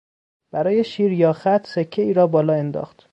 برای شیر یا خط سکهای را بالا انداخت.